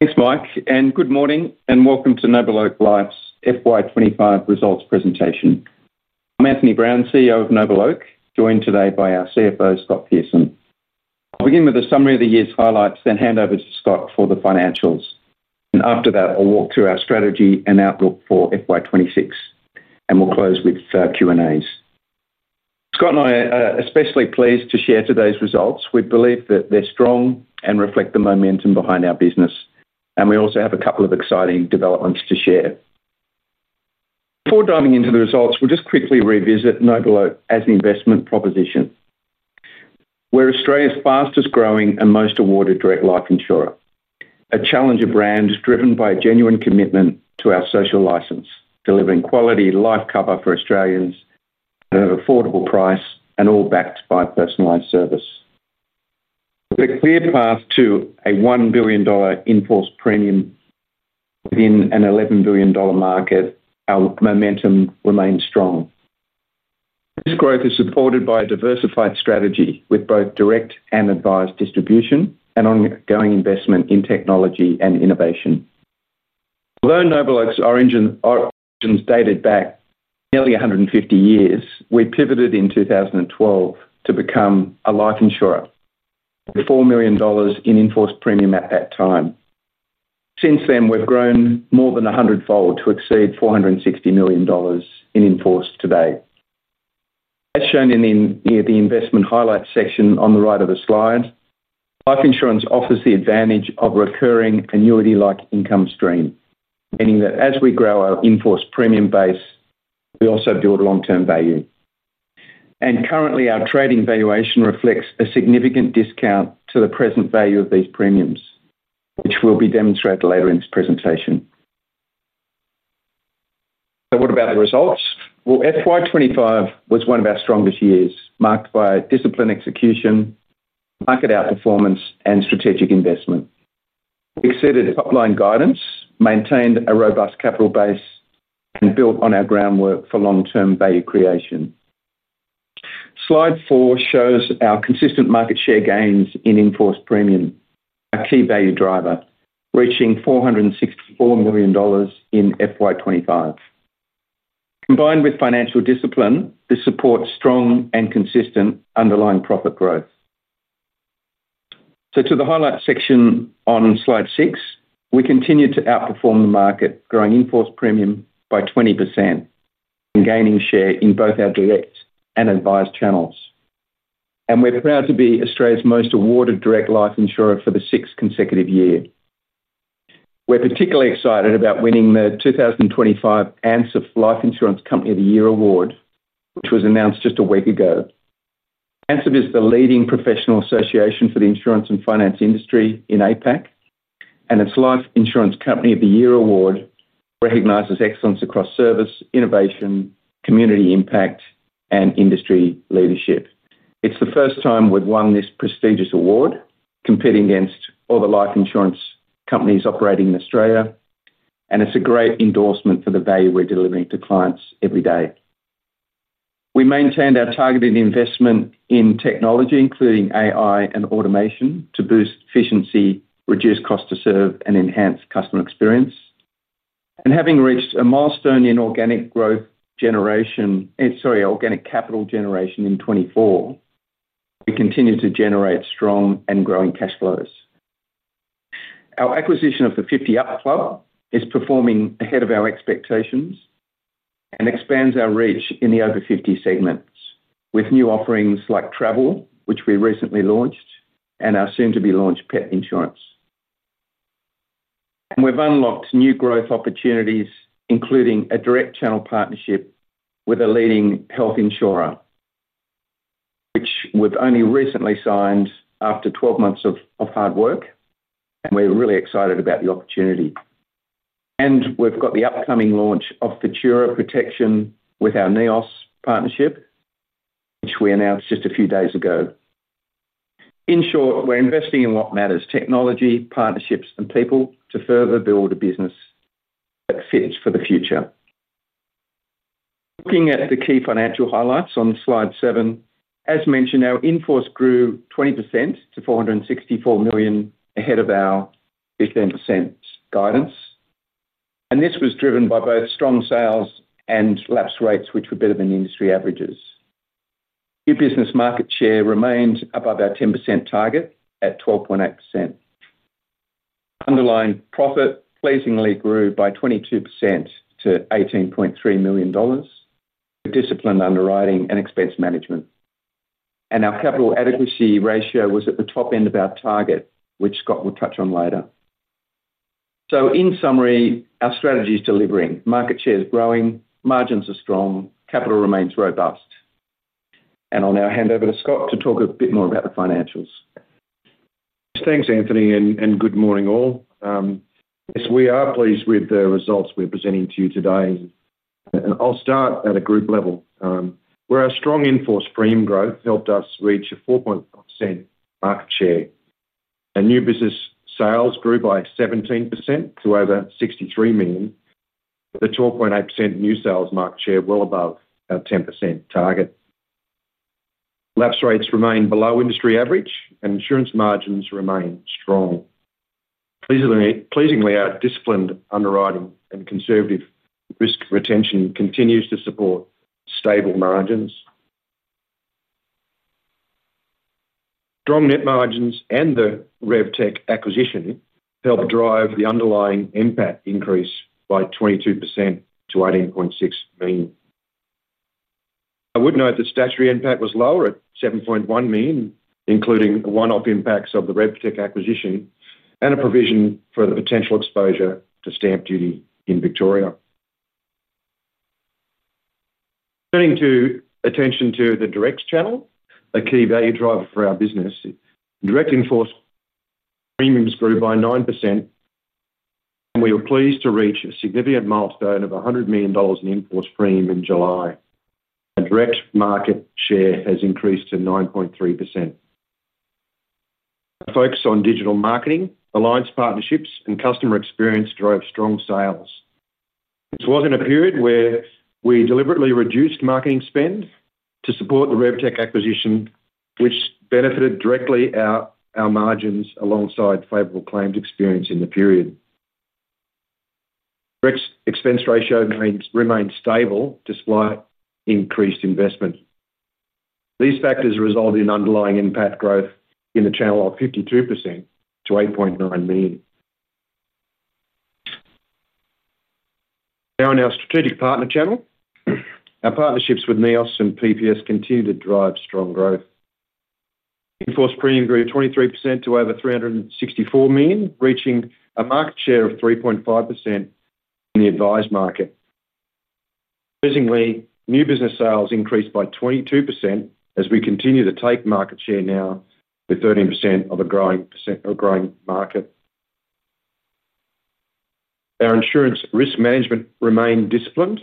Thanks, Mike, and good morning, and welcome to NobleOak Life's FY 2025 results presentation. I'm Anthony Brown, CEO of NobleOak, joined today by our CFO, Scott Pearson. I'll begin with a summary of the year's highlights, then hand over to Scott for the financials. After that, I'll walk through our strategy and outlook for FY 2026, and we'll close with Q&As. Scott and I are especially pleased to share today's results. We believe that they're strong and reflect the momentum behind our business, and we also have a couple of exciting developments to share. Before diving into the results, we'll just quickly revisit NobleOak as an investment proposition. We're Australia's fastest-growing and most awarded direct life insurer, a challenger brand driven by a genuine commitment to our social license, delivering quality life cover for Australians at an affordable price and all backed by personalized service. We're clear path to a 1 billion dollar in-force premium within an $11 billion market. Our momentum remains strong. This growth is supported by a diversified strategy with both direct and advised distribution and ongoing investment in technology and innovation. NobleOak's origins date back nearly 150 years. We pivoted in 2012 to become a life insurer with 4 million dollars in in-force premium at that time. Since then, we've grown more than 100-fold to exceed 460 million dollars in in-force today. As shown in the investment highlights section on the right of the slide, life insurance offers the advantage of recurring annuity-like income stream, meaning that as we grow our in-force premium base, we also build long-term value. Currently, our trading valuation reflects a significant discount to the present value of these premiums, which will be demonstrated later in this presentation. FY 2025 was one of our strongest years, marked by disciplined execution, market outperformance, and strategic investment. We exceeded top-line guidance, maintained a robust capital base, and built on our groundwork for long-term value creation. Slide four shows our consistent market share gains in in-force premium, a key value driver, reaching 464 million dollars in FY2025. Combined with financial discipline, this supports strong and consistent underlying profit growth. To the highlights section on slide six, we continue to outperform the market, growing in-force premium by 20% and gaining share in both our direct and advised channels. We're proud to be Australia's most awarded direct life insurer for the sixth consecutive year. We're particularly excited about winning the 2025 ANZIIF Life Insurance Company of the Year award, which was announced just a week ago. ANZIIF is the leading professional association for the insurance and finance industry in APAC, and its Life Insurance Company of the Year award recognizes excellence across service, innovation, community impact, and industry leadership. It's the first time we've won this prestigious award, competing against other life insurance companies operating in Australia, and it's a great endorsement for the value we're delivering to clients every day. We maintained our targeted investment in technology, including AI and automation, to boost efficiency, reduce cost to serve, and enhance customer experience. Having reached a milestone in organic capital generation in 2024, we continue to generate strong and growing cash flows. Our acquisition of FiftyUp Club is performing ahead of our expectations and expands our reach in the over-50 segment, with new offerings like Travel, which we recently launched, and our soon-to-be-launched Pet Insurance. We've unlocked new growth opportunities, including a direct channel partnership with a leading health insurer, which we've only recently signed after 12 months of hard work, and we're really excited about the opportunity. We've got the upcoming launch of Futura Protection with our NEOS partnership, which we announced just a few days ago. In short, we're investing in what matters: technology, partnerships, and people to further build a business that fits for the future. Looking at the key financial highlights on slide seven, as mentioned, our in-force grew 20% to 464 million ahead of our 15% guidance. This was driven by both strong sales and lapse rates, which were better than industry averages. New business market share remained above our 10% target at 12.8%. Underlying profit pleasingly grew by 22% to 18.3 million dollars in disciplined underwriting and expense management. Our capital adequacy ratio was at the top end of our target, which Scott will touch on later. In summary, our strategy is delivering, market share is growing, margins are strong, capital remains robust. I'll now hand over to Scott to talk a bit more about the financials. Thanks, Anthony, and good morning all. Yes, we are pleased with the results we're presenting to you today. I'll start at a group level, where our strong in-force premium growth helped us reach a 4.1% market share, and new business sales grew by 17% to over 63 million, the 12.8% new sales market share well above our 10% target. Lapse rates remain below industry average, and insurance margins remain strong. Pleasingly, our disciplined underwriting and conservative risk retention continue to support stable margins. Strong net margins and the RevTech acquisition helped drive the underlying impact increase by 22% to 18.6 million. I would note that statutory impact was lower at 7.1 million, including one-off impacts of the RevTech acquisition and a provision for the potential exposure to stamp duty in Victoria. Turning attention to the direct channel, a key value driver for our business, direct in-force premiums grew by 9%, and we were pleased to reach a significant milestone of 100 million dollars in in-force premium in July. Our direct market share has increased to 9.3%. Our focus on digital marketing, alliance partnerships, and customer experience drove strong sales. This was in a period where we deliberately reduced marketing spend to support the RevTech acquisition, which benefited directly our margins alongside favorable claims experience in the period. Direct expense ratio remains stable despite increased investment. These factors resulted in underlying impact growth in the channel of 52% to 8.9 million. Now on our strategic partner channel, our partnerships with NEOS and PPS continue to drive strong growth. In-force premium grew 23% to over 364 million, reaching a market share of 3.5% in the advised market. Pleasingly, new business sales increased by 22% as we continue to take market share now with 13% of a growing market. Our insurance risk management remained disciplined.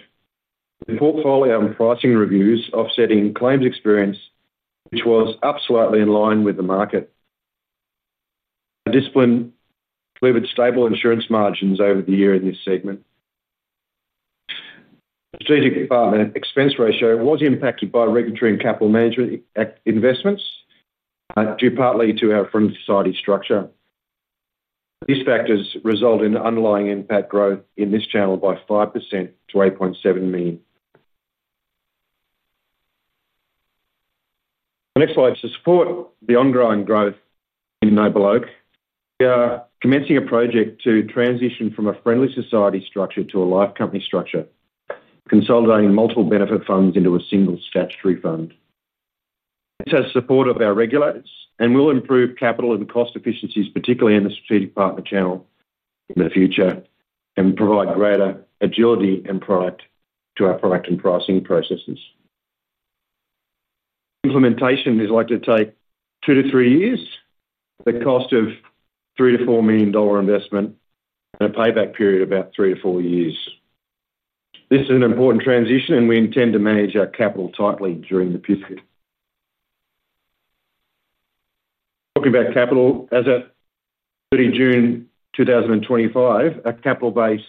We've focused highly on pricing reviews, offsetting claims experience, which was absolutely in line with the market. Our discipline delivered stable insurance margins over the year in this segment. Our strategic partner expense ratio was impacted by regulatory and capital management investments, due partly to our friendly society structure. These factors resulted in underlying impact growth in this channel by 5% to 8.7 million. Our next slide is to support the ongoing growth in NobleOak. We are commencing a project to transition from a friendly society structure to a life company structure, consolidating multiple benefit funds into a single statutory fund. This has support of our regulators and will improve capital and cost efficiencies, particularly in the strategic partner channel in the future, and provide greater agility to our product and pricing processes. Implementation is likely to take two to three years, at a cost of $3 million-$4 million investment, and a payback period of about three to four years. This is an important transition, and we intend to manage our capital tightly during the period. Looking back at capital as at 30 June 2025, our capital base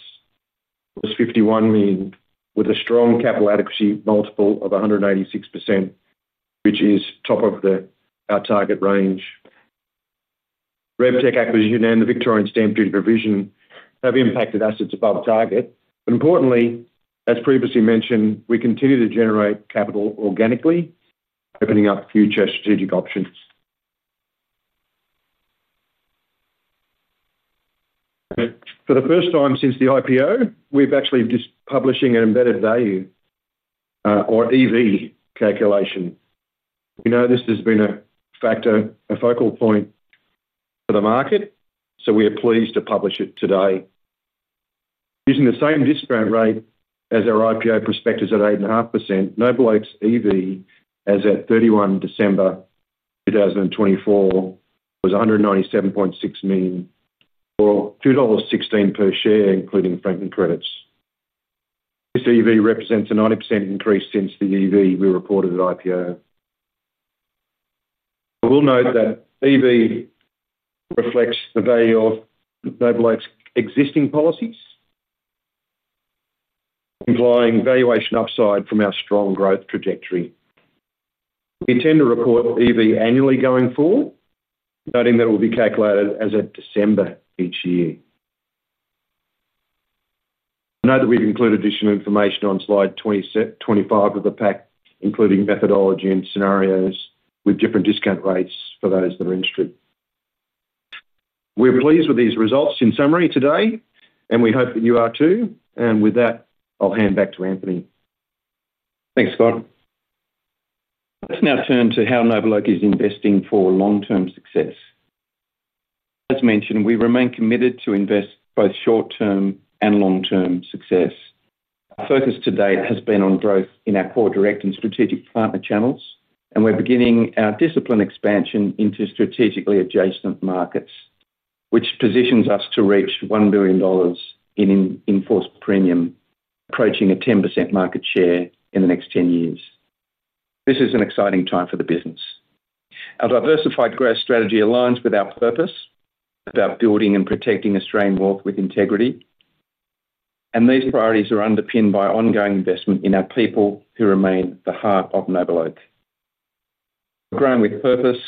was 51 million, with a strong capital adequacy multiple of 186%, which is top of our target range. The RevTech acquisition and the Victorian stamp duty provision have impacted assets above target. Importantly, as previously mentioned, we continue to generate capital organically, opening up future strategic options. For the first time since the IPO, we've actually been publishing an embedded value or EV calculation. We know this has been a focal point for the market, so we are pleased to publish it today. Using the same discount rate as our IPO prospectus at 8.5%, NobleOak's EV as of 31 December 2024 was 197.6 million or 2.16 dollars per share, including franking credits. This EV represents a 90% increase since the EV we reported at IPO. I will note that EV reflects the value of NobleOak's existing policies, implying valuation upside from our strong growth trajectory. We intend to report EV annually going forward, noting that it will be calculated as of December each year. Note that we've included additional information on slide 25 of the pack, including methodology and scenarios with different discount rates for those that are interested. We're pleased with these results in summary today, and we hope that you are too. With that, I'll hand back to Anthony. Thanks, Scott. Let's now turn to how NobleOak is investing for long-term success. As mentioned, we remain committed to invest both short-term and long-term success. Our focus to date has been on growth in our core direct and strategic partner channels, and we're beginning our disciplined expansion into strategically adjacent markets, which positions us to reach 1 billion dollars in in-force premium, approaching a 10% market share in the next 10 years. This is an exciting time for the business. Our diversified growth strategy aligns with our purpose about building and protecting Australian work with integrity, and these priorities are underpinned by ongoing investment in our people who remain the heart of NobleOak. Growing with purpose,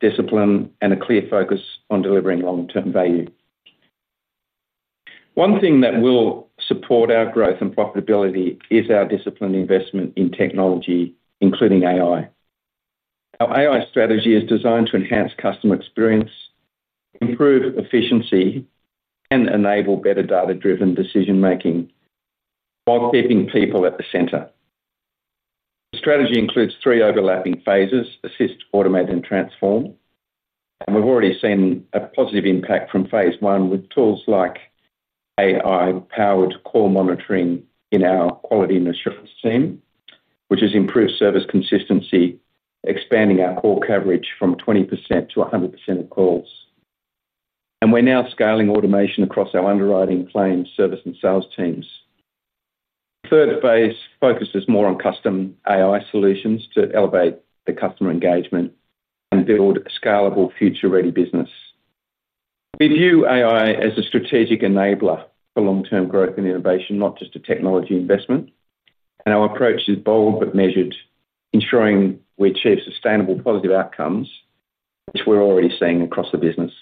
discipline, and a clear focus on delivering long-term value. One thing that will support our growth and profitability is our disciplined investment in technology, including AI. Our AI strategy is designed to enhance customer experience, improve efficiency, and enable better data-driven decision-making while keeping people at the center. The strategy includes three overlapping phases: assist, automate, and transform. We have already seen a positive impact from phase one with tools like AI-powered call monitoring in our quality and assurance team, which has improved service consistency, expanding our call coverage from 20% to 100% of calls. We are now scaling automation across our underwriting, claims, service, and sales teams. The third phase focuses more on custom AI solutions to elevate the customer engagement and build a scalable, future-ready business. We view AI as a strategic enabler for long-term growth and innovation, not just a technology investment. Our approach is bold but measured, ensuring we achieve sustainable, positive outcomes, which we're already seeing across the business.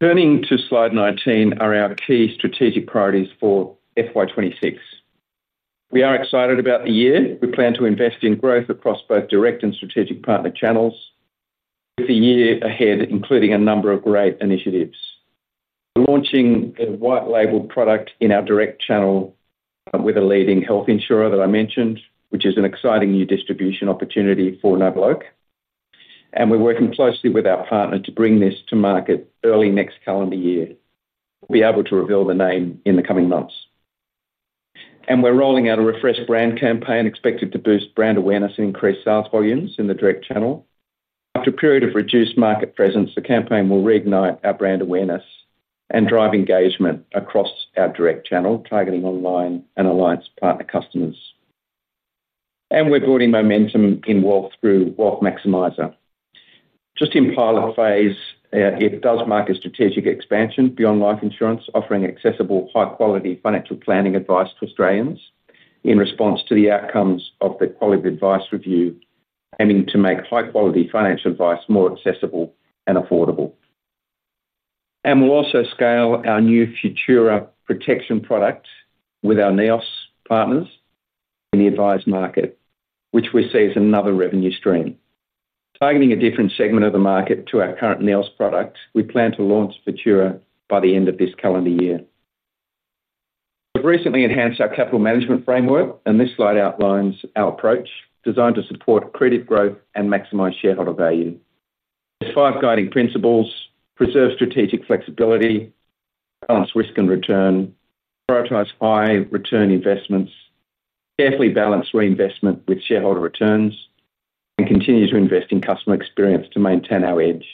Turning to slide 19 are our key strategic priorities for FY 2026. We are excited about the year. We plan to invest in growth across both direct and strategic partner channels, with the year ahead including a number of great initiatives. We're launching a white-labelled product in our direct channel with a leading health insurer that I mentioned, which is an exciting new distribution opportunity for NobleOak. We are working closely with our partner to bring this to market early next calendar year. We'll be able to reveal the name in the coming months. We're rolling out a refreshed brand campaign expected to boost brand awareness and increase sales volumes in the direct channel. After a period of reduced market presence, the campaign will reignite our brand awareness and drive engagement across our direct channel, targeting online and alliance partner customers. We're building momentum in wealth through Wealth Maximiser. Just in pilot phase, it does market strategic expansion beyond life insurance, offering accessible, high-quality financial planning advice to Australians in response to the outcomes of the Quality Advice Review, aiming to make high-quality financial advice more accessible and affordable. We'll also scale our new Futura Protection product with our NEOS partners in the advised market, which we see as another revenue stream. Targeting a different segment of the market to our current NEOS product, we plan to launch Futura by the end of this calendar year. We've recently enhanced our capital management framework, and this slide outlines our approach, designed to support credit growth and maximize shareholder value. There are five guiding principles: preserve strategic flexibility, balance risk and return, prioritize high-return investments, carefully balance reinvestment with shareholder returns, and continue to invest in customer experience to maintain our edge.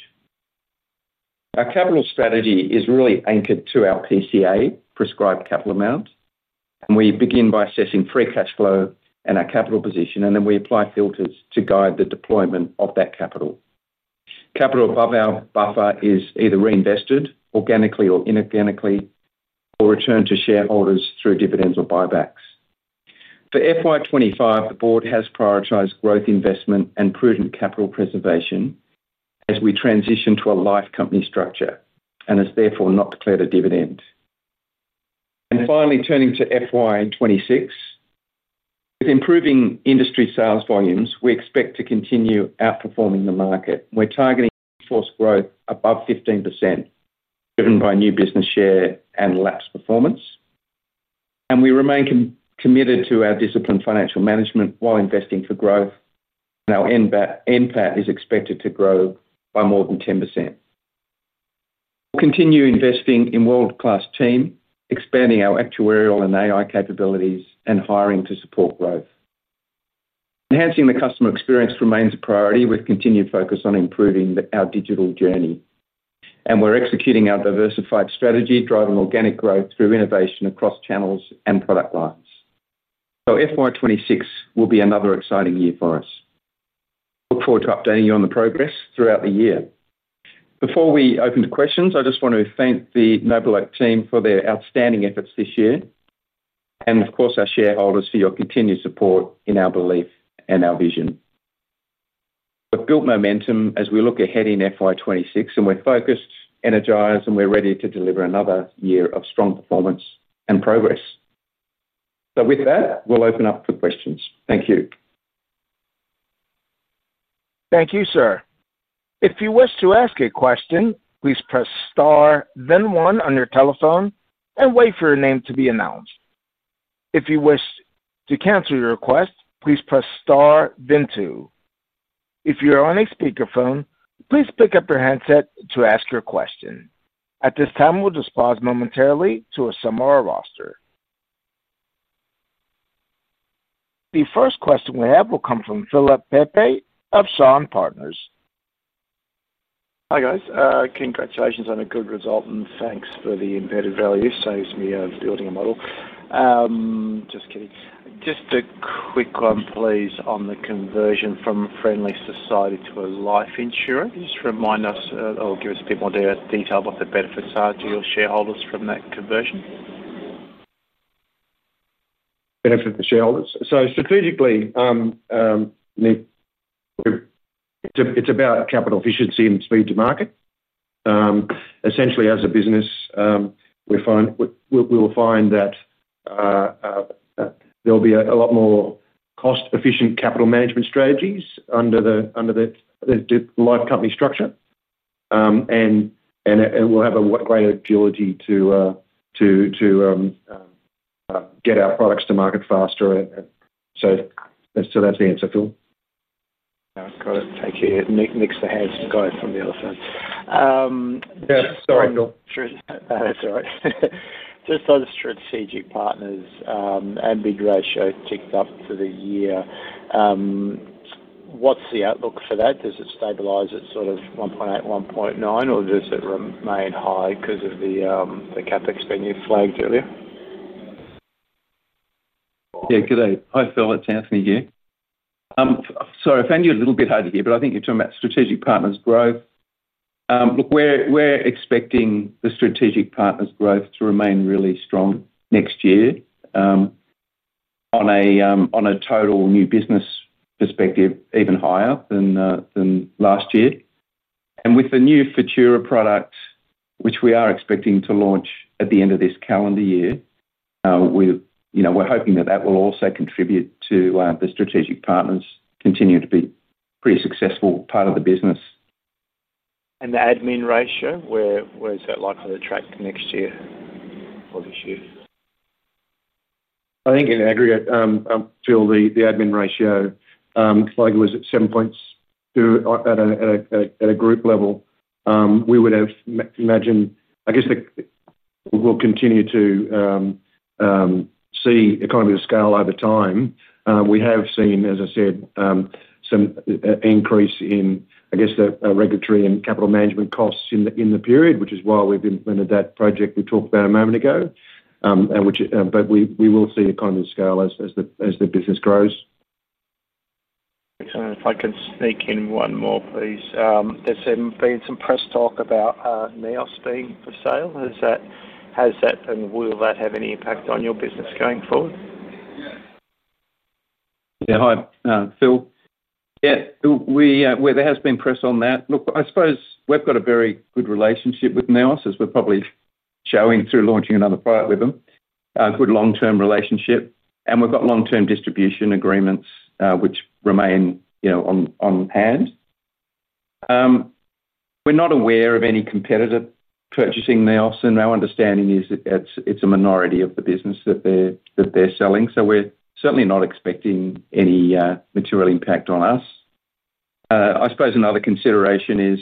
Our capital strategy is really anchored to our PCA, prescribed capital amount. We begin by assessing free cash flow and our capital position, and then we apply filters to guide the deployment of that capital. Capital above our buffer is either reinvested organically or inorganically, or returned to shareholders through dividends or buybacks. For FY 2025, the board has prioritized growth investment and prudent capital preservation as we transition to a life company structure and has therefore not declared a dividend. Finally, turning to FY 2026, with improving industry sales volumes, we expect to continue outperforming the market. We're targeting force growth above 15%, driven by new business share and lapse performance. We remain committed to our disciplined financial management while investing for growth. Our end impact is expected to grow by more than 10%. We'll continue investing in a world-class team, expanding our actuarial and AI capabilities, and hiring to support growth. Enhancing the customer experience remains a priority with continued focus on improving our digital journey. We are executing our diversified strategy to drive organic growth through innovation across channels and product lines. FY 2026 will be another exciting year for us. I look forward to updating you on the progress throughout the year. Before we open to questions, I just want to thank the NobleOak team for their outstanding efforts this year, and of course, our shareholders for your continued support in our belief and our vision. We have built momentum as we look ahead in FY 2026, and we are focused, energized, and ready to deliver another year of strong performance and progress. With that, we will open up for questions. Thank you. Thank you, sir. If you wish to ask a question, please press star, then one on your telephone and wait for your name to be announced. If you wish to cancel your request, please press star, then two. If you're on a speakerphone, please pick up your headset to ask your question. At this time, we'll just pause momentarily to assemble our roster. The first question we have will come from Philip Pepe of Shaw and Partners. Hi guys, congratulations on a good result and thanks for the embedded value. Saves me building a model. Just kidding. Just a quick one, please, on the conversion from a friendly society to a life insurer. Can you just remind us or give us a bit more detail of what the benefits are to your shareholders from that conversion? Benefits to shareholders. Strategically, it's about capital efficiency and speed to market. Essentially, as a business, we will find that there will be a lot more cost-efficient capital management strategies under the life company structure, and we'll have a greater ability to get our products to market faster. That's the answer, Phil. Got it. Thank you. Nick, mixed the hands of the guys from the other side. Sorry. That's all right. This side of strategic partners and big ratio ticked up for the year. What's the outlook for that? Does it stabilize at sort of 1.8, 1.9, or does it remain high because of the CapEx venue flagged earlier? Yeah, good day. Hi, Phil. It's Anthony here. I think you're talking about strategic partners growth. Look, we're expecting the strategic partners growth to remain really strong next year. On a total new business perspective, even higher than last year. With the new Futura Protection product, which we are expecting to launch at the end of this calendar year, we're hoping that that will also contribute to the strategic partners continuing to be a pretty successful part of the business. Where is the admin ratio likely to track next year or this year? I think in aggregate, Phil, the admin ratio flag was at 7% at a group level. We would have imagined, I guess we'll continue to see economies of scale over time. We have seen, as I said, some increase in, I guess, the regulatory and capital management costs in the period, which is why we've implemented that project we talked about a moment ago. We will see economies of scale as the business grows. If I can sneak in one more, please. There's been some press talk about NEOS being for sale. Has that, and will that have any impact on your business going forward? Yeah, hi, Phil. There has been press on that. Look, I suppose we've got a very good relationship with NEOS, as we're probably showing through launching another product with them, a good long-term relationship. We've got long-term distribution agreements, which remain on hand. We're not aware of any competitor purchasing NEOS, and our understanding is that it's a minority of the business that they're selling. We're certainly not expecting any material impact on us. I suppose another consideration is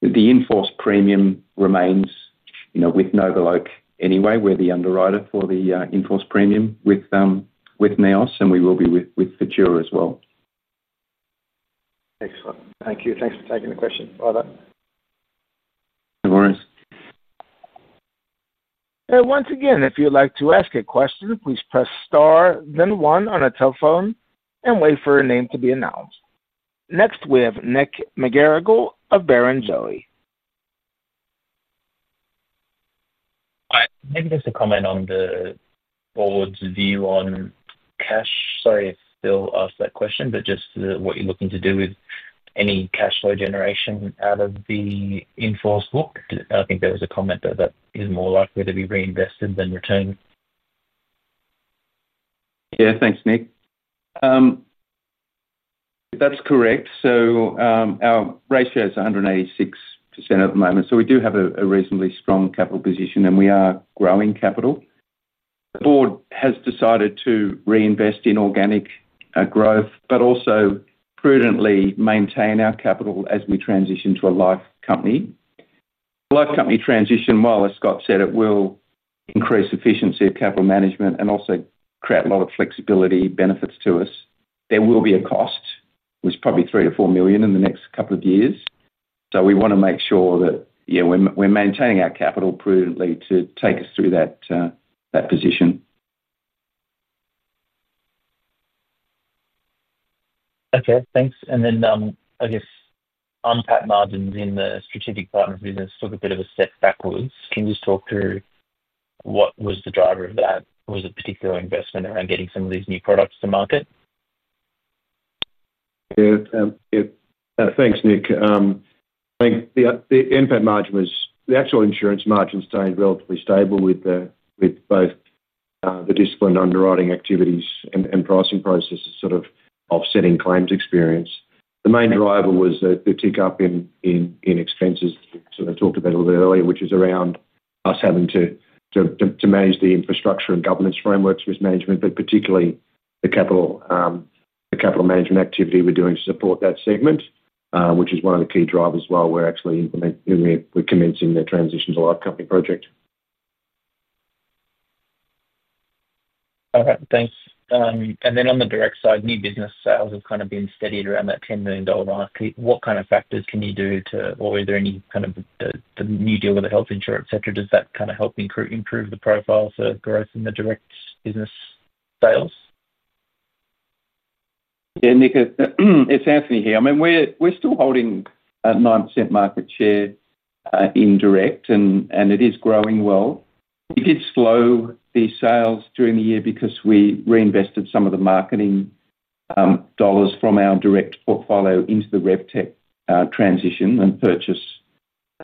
the in-force premium remains, you know, with NobleOak anyway. We're the underwriter for the in-force premium with NEOS, and we will be with Futura as well. Excellent. Thank you. Thanks for taking the question. Bye-bye. No worries. Once again, if you'd like to ask a question, please press star, then one on a telephone and wait for your name to be announced. Next, we have Nick McGarigle of Barrenjoey. I think just a comment on the Board's view on cash. Sorry if Phil asked that question, but just to what you're looking to do with any cash flow generation out of the in-force book. I think there was a comment that that is more likely to be reinvested than returned. Yeah, thanks, Nick. That's correct. Our ratio is 186% at the moment. We do have a reasonably strong capital position, and we are growing capital. The board has decided to reinvest in organic growth, but also prudently maintain our capital as we transition to a life company. The life company transition, while as Scott said, it will increase efficiency of capital management and also create a lot of flexibility benefits to us. There will be a cost, which is probably 3 million-$4 million in the next couple of years. We want to make sure that we're maintaining our capital prudently to take us through that position. Okay, thanks. I guess unpack margins in the strategic partner. We just took a bit of a step backwards. Can you just talk through what was the driver of that? Was it a particular investment around getting some of these new products to market? Yeah, thanks, Nick. I think the impact margin was the actual insurance margin stayed relatively stable, with both the disciplined underwriting activities and pricing processes sort of offsetting claims experience. The main driver was the tick up in expenses that we sort of talked about a little bit earlier, which is around us having to manage the infrastructure and governance frameworks, risk management, but particularly the capital management activity we're doing to support that segment, which is one of the key drivers while we're actually implementing and we're commencing the transition to the life company project. Okay, thanks. On the direct side, new business sales have kind of been steadied around that $10 million mark. What kind of factors can you do to, or is there any kind of the new deal with the health insurer, et cetera, does that kind of help improve the profile for growth in the direct business sales? Yeah, Nick, it's Anthony here. We're still holding a 9% market share in direct, and it is growing well. It did slow the sales during the year because we reinvested some of the marketing dollars from our direct portfolio into the RevTech transition and purchase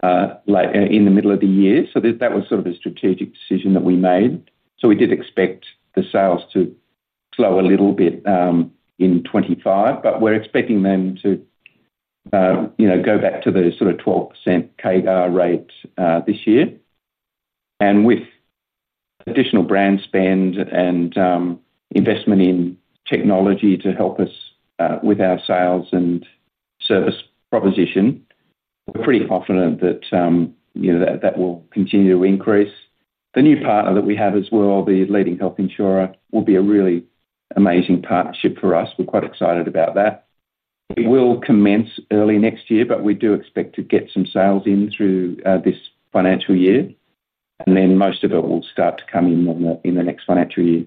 in the middle of the year. That was sort of a strategic decision that we made. We did expect the sales to slow a little bit in 2025, but we're expecting them to go back to the sort of 12% CAGR rate this year. With additional brand spend and investment in technology to help us with our sales and service proposition, we're pretty confident that that will continue to increase. The new partner that we have as well, the leading health insurer, will be a really amazing partnership for us. We're quite excited about that. It will commence early next year, but we do expect to get some sales in through this financial year. Most of it will start to come in in the next financial year.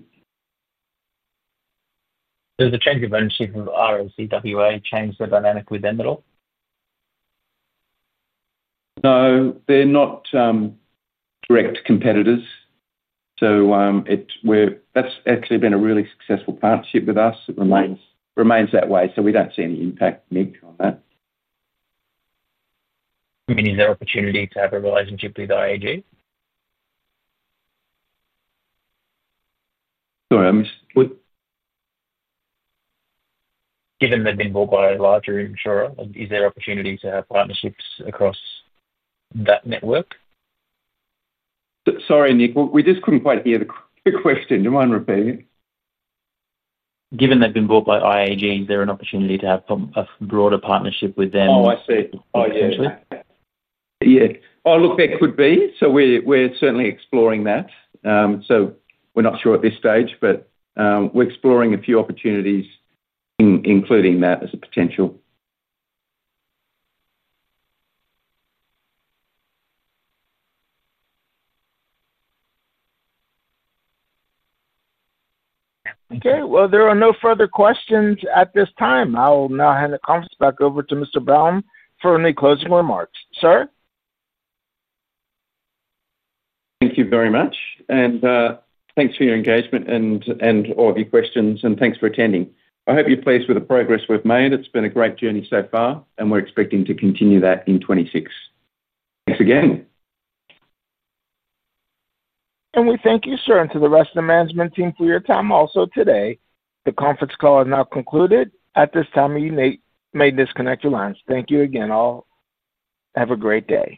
Does the change of ownership of RMCWA change the dynamic with them at all? No, they're not direct competitors. That's actually been a really successful partnership with us. It remains that way. We don't see any impact, Nick, on that. I mean, is there an opportunity to have a relationship with IAG? Sorry, I missed what? Given they've been bought by a larger insurer, is there an opportunity to have partnerships across that network? Sorry, Nick, we just couldn't quite hear the question. Do you mind repeating? Given they've been bought by IAG, is there an opportunity to have a broader partnership with them? I see. Yeah, there could be. We're certainly exploring that. We're not sure at this stage, but we're exploring a few opportunities, including that as a potential. Okay, there are no further questions at this time. I will now hand the conference back over to Mr. Brown for any closing remarks, sir. Thank you very much. Thank you for your engagement and all of your questions, and thank you for attending. I hope you're pleased with the progress we've made. It's been a great journey so far, and we're expecting to continue that in 2026. Thanks again. We thank you, sir, and the rest of the management team for your time also today. The conference call is now concluded. At this time, we may disconnect your lines. Thank you again. All have a great day.